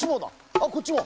あっこっちも。